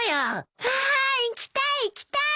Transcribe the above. わ行きたい行きたい！